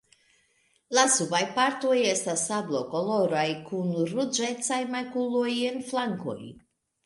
La subaj partoj estas sablokoloraj kun ruĝecaj makuloj en flankoj.